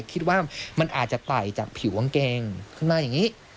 คิดว่ามันอาจจะไต่จากผิวกางเกงขึ้นมาอย่างนี้